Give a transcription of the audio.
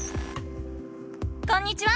こんにちは！